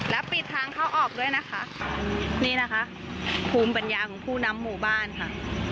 และปิดทางเข้าออกด้วยนะคะนี่นะคะภูมิปัญญาของผู้นำหมู่บ้านค่ะ